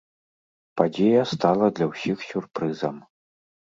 Падзея стала для ўсіх сюрпрызам.